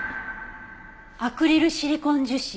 「アクリルシリコン樹脂」？